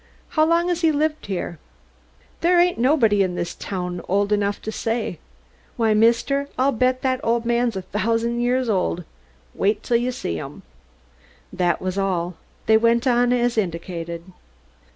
"How long has he lived here?" "There ain't nobody in this town old enough to say. Why, mister, I'll bet that old man's a thousand years old. Wait'll you see him." That was all. They went on as indicated.